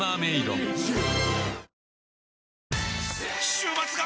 週末が！！